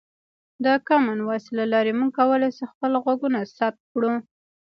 د کامن وایس له لارې موږ کولی شو خپل غږونه ثبت کړو.